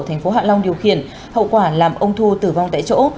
thành phố hạ long điều khiển hậu quả làm ông thu tử vong tại chỗ